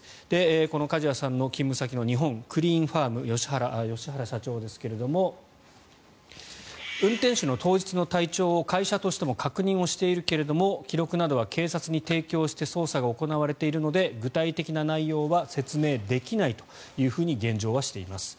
この梶谷さんの勤務先の日本クリーンファームの吉原社長ですが運転手の当日の体調を会社としても確認しているけれども記録などは警察に提供して捜査が行われているので具体的な内容は説明できないというふうに現状はしています。